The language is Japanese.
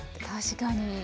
確かに。